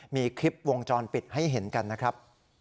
มีคลิปวงจรปิดให้เห็นกันนะครับ